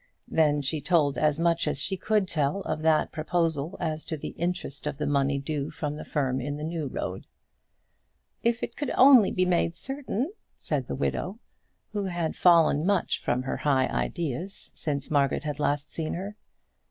Then she told as much as she could tell of that proposal as to the interest of the money due from the firm in the New Road. "If it could only be made certain," said the widow, who had fallen much from her high ideas since Margaret had last seen her.